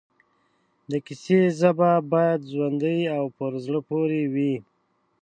د کیسې ژبه باید ژوندۍ او پر زړه پورې وي